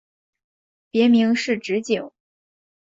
别名是直景。